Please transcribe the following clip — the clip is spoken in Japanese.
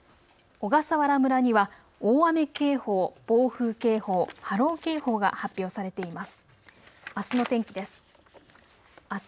小笠原村には大雨警報、暴風警報、波浪警報が発表されています。